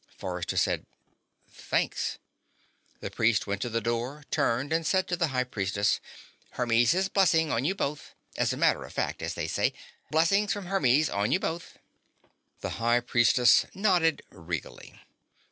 Forrester said: "Thanks." The priest went to the door, turned, and said to the High Priestess: "Hermes' blessing on you both, as a matter of fact, as they say. Blessings from Hermes on you both." The High Priestess nodded regally.